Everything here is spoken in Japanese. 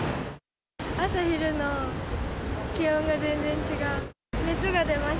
朝昼の気温が全然違う。